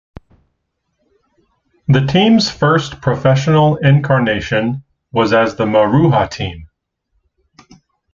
The team's first professional incarnation was as the Maruha Team.